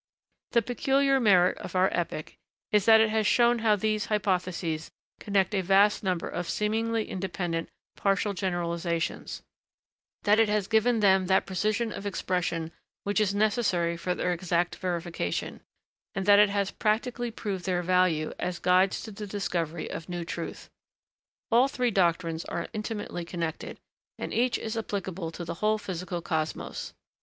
The peculiar merit of our epoch is that it has shown how these hypotheses connect a vast number of seemingly independent partial generalisations; that it has given them that precision of expression which is necessary for their exact verification; and that it has practically proved their value as guides to the discovery of new truth. All three doctrines are intimately connected, and each is applicable to the whole physical cosmos.